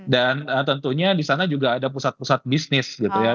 dan tentunya di sana juga ada pusat pusat bisnis gitu ya